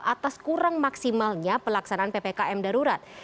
atas kurang maksimalnya pelaksanaan ppkm darurat